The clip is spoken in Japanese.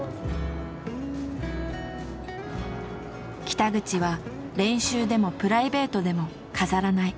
北口は練習でもプライベートでも飾らない。